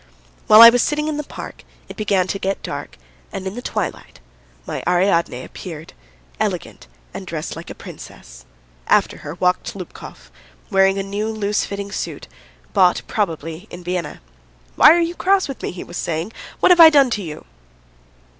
... While I was sitting in the park, it began to get dark, and in the twilight my Ariadne appeared, elegant and dressed like a princess; after her walked Lubkov, wearing a new loose fitting suit, bought probably in Vienna. "Why are you cross with me?" he was saying. "What have I done to you?"